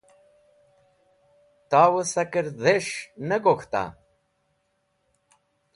Tawẽ sakẽr dhes̃h ne gok̃hta?